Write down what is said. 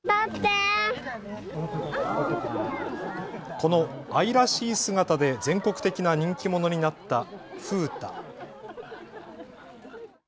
この愛らしい姿で全国的な人気者になった風太。